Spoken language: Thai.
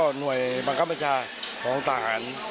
ก็หน่วยบังคับประชาของต่างหลัง